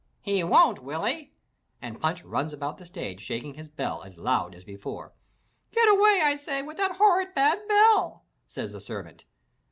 "He won't, won't he?" and Punch runs about the stage shaking the bell as loud as before. "Get away I say wid dat horrid, bad bell," says the servant.